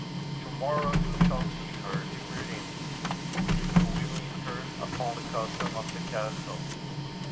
— To morrow you shall see her, here within, if you will enter upon the custom of the castle.